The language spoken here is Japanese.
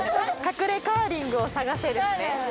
「隠れカーリングを探せ」ですね。